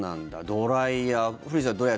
ドライヤー。